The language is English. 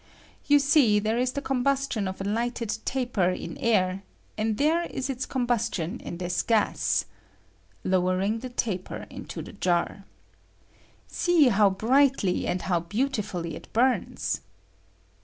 You see there is the combustion of a lighted taper in air, and here ia its combustion in this gas [lowering the taper into the jar]. See how brightly and how beautifully it bums